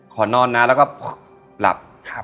ขอนอนนะแล้วก็หลับ